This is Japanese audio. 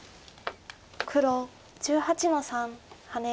黒１８の三ハネ。